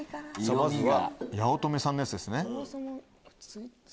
まずは八乙女さんのやつですね。